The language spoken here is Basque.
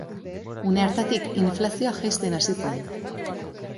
Une hartatik, inflazioa jaisten hasi zen.